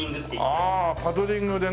ああパドリングでね